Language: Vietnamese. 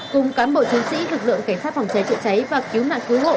cùng cán bộ chiến sĩ lực lượng cảnh sát phòng cháy chữa cháy và cứu nạn cứu hộ